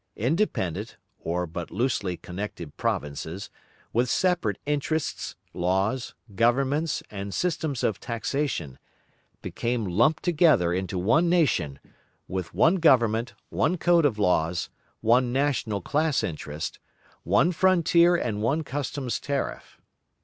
Independent, or but loosely connected provinces, with separate interests, laws, governments and systems of taxation, became lumped together into one nation, with one government, one code of laws, one national class interest, one frontier and one customs tariff.